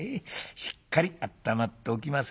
しっかりあったまっておきませんとね。